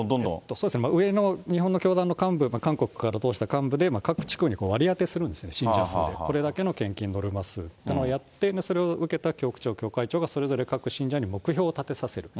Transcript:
そうですね、上の、日本の教団の幹部、韓国から通した幹部で、各地区に割り当てするんですね、信徒数で、これだけの献金ノルマ数、やって、それを受けた教区長、教会長がそれぞれ各信者に目標を立てさせる。